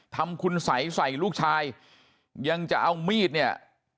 ทำคุณสัยใส่ลูกชายยังจะเอามีดเนี่ย